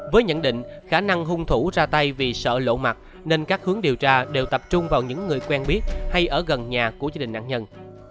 với nhận định khả năng hung thủ ra tay vì sợ lộ mặt nên các hướng điều tra đều tập trung vào những người quen biết hay ở gần nhà của gia đình nạn nhân